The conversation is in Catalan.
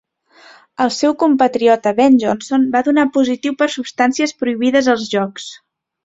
El seu compatriota Ben Johnson va donar positiu per substàncies prohibides als Jocs.